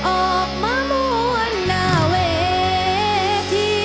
ออกมามวลหน้าเวที